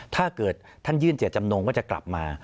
ถ้าเกิดท่านยื่นเจตจำนงก็จะกลับมา